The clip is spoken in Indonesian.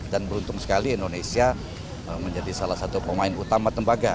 dan beruntung sekali indonesia menjadi salah satu pemain utama tembaga